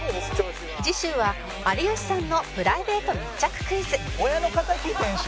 次週は有吉さんのプライベート密着クイズ「親の敵？店主」